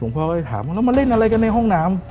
พ่อก็เลยถามว่าแล้วมาเล่นอะไรกันในห้องน้ำ